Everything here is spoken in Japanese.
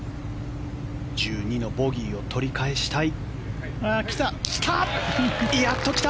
１２のボギーを取り返したい。